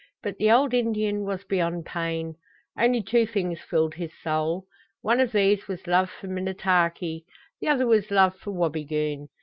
But the old Indian was beyond pain. Only two things filled his soul. One of these was love for Minnetaki; the other was love for Wabigoon.